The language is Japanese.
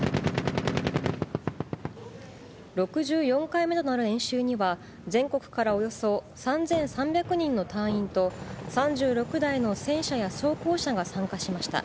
６４回目となる演習には、全国からおよそ３３００人の隊員と、３６台の戦車や装甲車が参加しました。